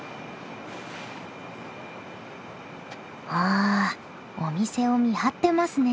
あお店を見張ってますね。